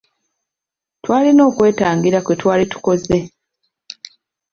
Twalina okwetangira kwe twali tukoze.